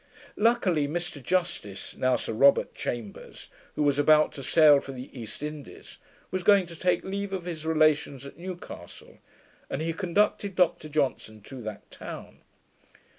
Luckily Mr Justice (now Sir Robert) Chambers, who was about to sail for the East Indies, was going to take leave of his relations at Newcastle, and he conducted Dr Johnson to that town.